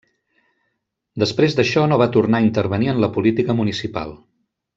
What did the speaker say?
Després d'això no va tornar a intervenir en la política municipal.